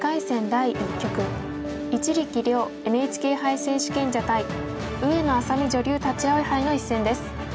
第１局一力遼ＮＨＫ杯選手権者対上野愛咲美女流立葵杯の一戦です。